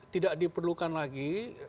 tidak diperlukan lagi